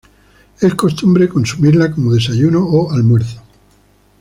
Es costumbre consumirla como desayuno o almuerzo.